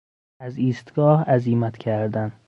از ایستگاه عزیمت کردن